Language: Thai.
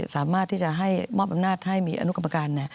สามารถที่จะให้มอบอำนาจให้มีอนุกรรมการ